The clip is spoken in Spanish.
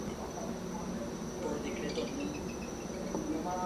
Por decreto núm.